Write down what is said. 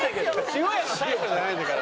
塩屋の大将じゃないんだから。